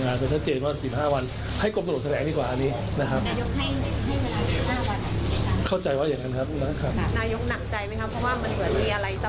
นายกหนักใจไหมครับเพราะว่ามันเหมือนมีอะไรตำรวจ